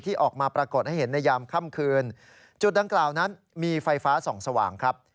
ออกมาปรากฏให้เห็นในยามค่ำคืนจุดดังกล่าวนั้นมีไฟฟ้าส่องสว่างครับ